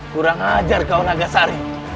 kurang ajar kau nagasari